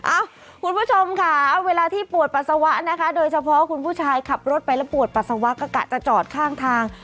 เอ้าคุณผู้ชมค่ะเวลาที่ปวดปัสสาวะนะคะโดยเฉพาะคุณผู้ชายขับรถไปแล้วปวดปัสสาวะก็กะจะจอดข้างทาง